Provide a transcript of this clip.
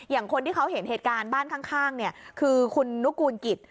คนที่เขาเห็นเหตุการณ์บ้านข้างคือคุณนุกูลกิจ